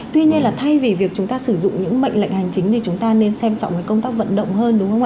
tuy nhiên là thay vì việc chúng ta sử dụng những mệnh lệnh hành chính thì chúng ta nên xem trọng với công tác vận động hơn đúng không ạ